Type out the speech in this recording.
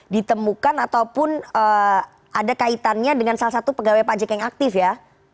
ditemukan ataupun ada kaitannya dengan salah satu pegawai pajak yang aktif ya